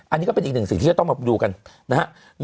อันนี้ก็เป็นอีกหนึ่งสิ่งที่จะต้องมาดูกันนะครับ